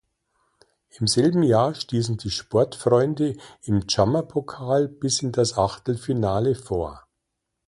Im selben Jahr stießen die Sportfreunde im Tschammerpokal bis in das Achtelfinale vor.